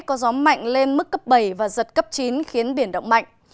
có gió mạnh lên mức cấp bảy và giật cấp chín khiến biển động mạnh